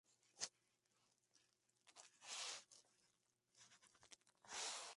Su especie-tipo era "Mariella sibirica".